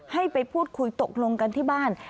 ให้ไปพูดคุยตกลงกันที่บ้าน